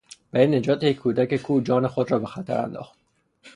برای نجات یک کودک کور جان خود را به خطر انداخت.